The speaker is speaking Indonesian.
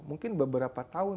mungkin beberapa tahun